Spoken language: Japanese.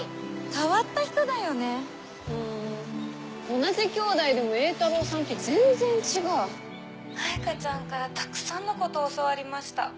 同じ兄弟でも榮太郎さんと全然違う藍花ちゃんからたくさんのこと教わりました。